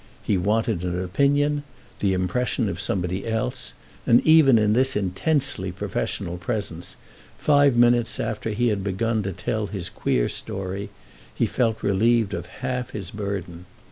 He wanted an opinion, the impression of somebody else, and even in this intensely professional presence, five minutes after he had begun to tell his queer story, he felt relieved of half his burden.